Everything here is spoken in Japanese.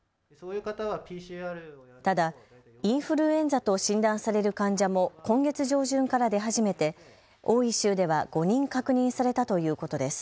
ただインフルエンザと診断される患者も今月上旬から出始めて多い週では５人確認されたということです。